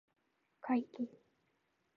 解禁